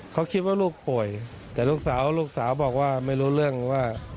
เขาคิดว่าลูกป่วยแต่ลูกสาวลูกสาวบอกว่าไม่รู้เรื่องว่า